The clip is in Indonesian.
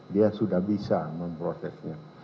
dia sudah bisa memprosesnya